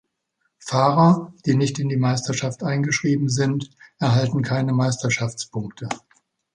Fahrer, die nicht in die Meisterschaft eingeschrieben sind, erhalten keine Meisterschaftspunkte.